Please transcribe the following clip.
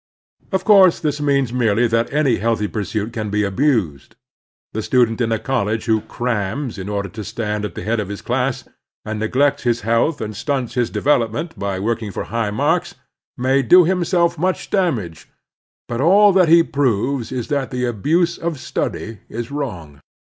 Of course this means merely that any healthy pursuit can be abused. The student in a college who "crams" in order to stand at the head of his class, and neglects his health and stimts his development by working for high marks, may do himself much damage; but all that he proves is that the abuse of study is wrong.